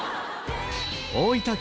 大分県